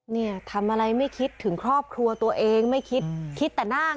เนี่ยทำอะไรไม่คิดถึงครอบครัวตัวเองไม่คิดคิดแต่นั่ง